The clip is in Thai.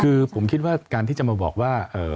คือผมคิดว่าการที่จะมาบอกว่า